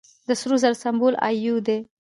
د سرو زرو سمبول ای یو دی.